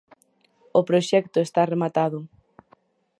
O proxecto está rematado.